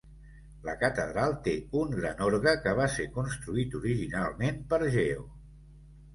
La catedral té un gran orgue que va ser construït originalment per Geo.